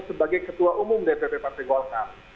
sebagai ketua umum dpp partai golkar